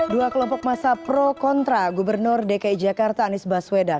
dua kelompok masa pro kontra gubernur dki jakarta anies baswedan